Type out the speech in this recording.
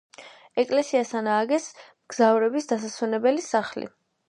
ეკლესიასთან ააგეს მგზავრების დასასვენებელი სახლი.